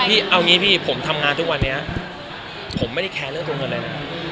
พี่เอางี้พี่ผมทำงานทุกวันนี้ผมไม่ได้แคร์เรื่องตัวเงินเลยนะ